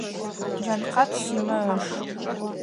Джанкъат Симэ ыш.